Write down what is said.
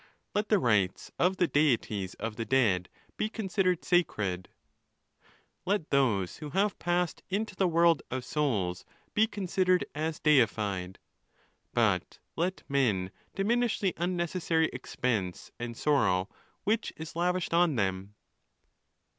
Let the rights of the Deities of the dead be considered sacred. Let those who have passed into the world of souls be considered as deified ; but let men diminish the unnecessary expense and sorrow which is lavished on them.